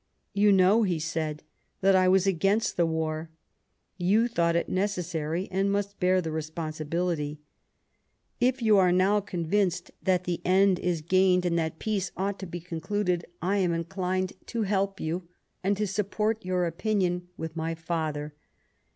" You know," he said, " that I was against the war ; you thought it necessary, and must bear the responsibility. If you are now convinced that the 93 Bismarck end is gained and that peace ought to be concluded, I am incHned to help you, and to support your opinion with my father."